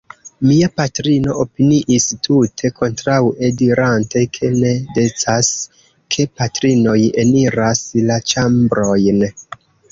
Mia patrino opiniis tute kontraŭe, dirante ke ne decas, ke kaprinoj eniras la ĉambrojn.